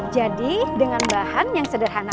jadi dengan bahan yang sederhana